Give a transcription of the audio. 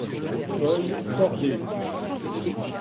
Feuilles cordées.